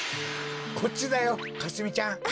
こっちだよかすみちゃん。